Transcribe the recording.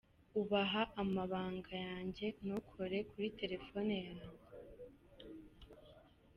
Ubaha amabanga yanjye; ntukore kuri Telefone yanjye.